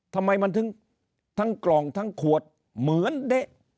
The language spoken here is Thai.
ทำไมมันถึงทั้งกล่องทั้งขวดเหมือนเด๊ะ